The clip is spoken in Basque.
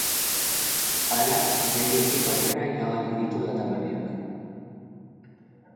Hala, irailetik aurrera iragarri ditu data berriak.